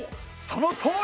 そのとお。